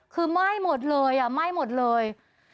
คือไหม้หมดเลยอ่ะไหม้หมดเลย